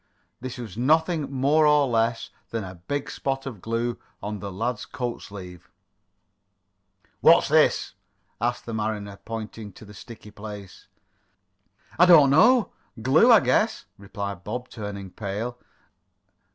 This was nothing more nor less than a big spot of glue on the lad's coat sleeve. "What's this?" asked the seaman, pointing to the sticky place. "I don't know. Glue I guess," replied Bob, turning pale.